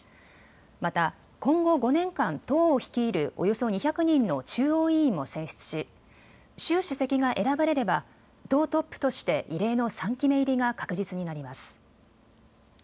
また今後５年間、党を率いるおよそ２００人の中央委員も選出し習主席が選ばれれば党トップとして異例の３期目入りが確実になります。